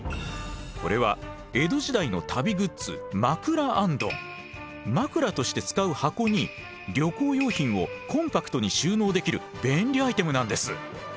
これは江戸時代の旅グッズ枕として使う箱に旅行用品をコンパクトに収納できる便利アイテムなんです。